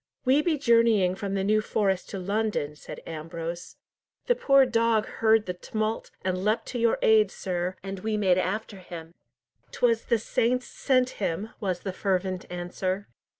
"We be journeying from the New Forest to London," said Ambrose. "The poor dog heard the tumult, and leapt to your aid, sir, and we made after him." "'Twas the saints sent him!" was the fervent answer.